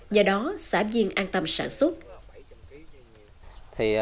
do đó xã viên an tâm sản xuất